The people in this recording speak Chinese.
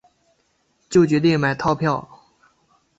就决定买套票